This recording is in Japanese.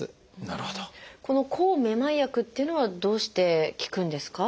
この抗めまい薬っていうのはどうして効くんですか？